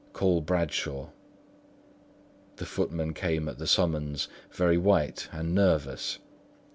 Call Bradshaw." The footman came at the summons, very white and nervous.